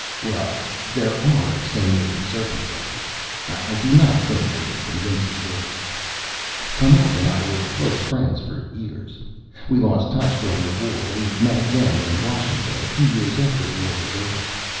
Well, there are extenuating circumstances. I do not think they would convince a jury. Connaught and I were close friends for years. We lost touch during the war. We met again in Washington, a few years after the war was over.